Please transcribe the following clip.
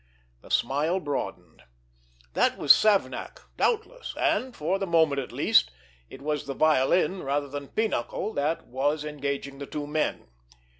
The smile broadened. That was Savnak, doubtless, and, for the moment at least, it was the violin, rather than pinochle, that was engaging the two men.